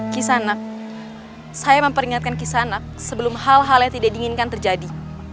kisanak saya memperingatkan kisanak sebelum hal hal yang tidak diinginkan terjadi